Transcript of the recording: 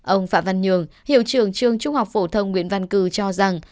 ông phạm văn nhường hiệu trưởng trường trung học phổ thông nguyễn văn cử cho rằng